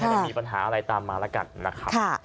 ไม่ได้มีปัญหาอะไรตามมาแล้วกันนะครับ